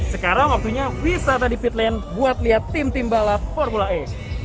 sekarang waktunya wisata di pitland buat lihat tim tim balap formula e